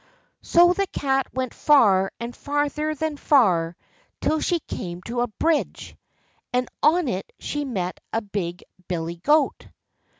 So the cat went far and farther than far, till she came to a bridge, and on it she met a big billy goat.